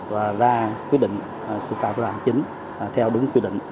và ra quyết định xử phạt giao thông chính theo đúng quy định